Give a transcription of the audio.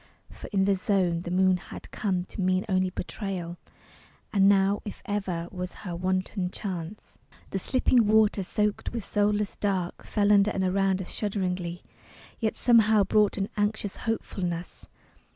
For in the Zone The moon had come to mean only betrayal, And now, if ever, was her wanton chance. The slipping water soaked with soulless dark Fell under and around us shudderingly, Yet somehow brought an anxious hopefulness.